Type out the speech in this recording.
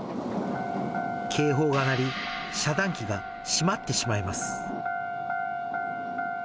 警報が鳴り、遮断機が閉まってしまいます。